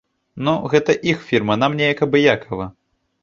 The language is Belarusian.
Ну, гэта іх фірма, нам неяк абыякава.